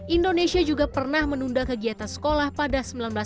indonesia juga pernah menunda kegiatan sekolah pada seribu sembilan ratus sembilan puluh